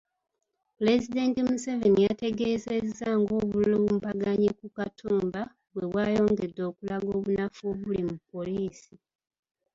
Pulezidenti Museveni yategeezezza ng’obulumbaganyi ku Katumba bwe bwayongedde okulaga obunafu obuli mu poliisi.